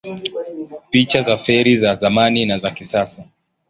Picha za feri za zamani na za kisasa